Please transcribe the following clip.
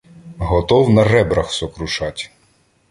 Готов на ребрах сокрушить.